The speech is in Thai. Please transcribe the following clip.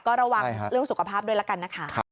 ก็ระวังเรื่องสุขภาพด้วยละกันนะคะ